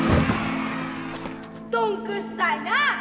どんくっさいなあ。